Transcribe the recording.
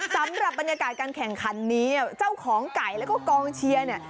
สำหรับบรรยากาศการแข่งขันนี้เจ้าของไก่แล้วก็กองเชียร์เนี่ย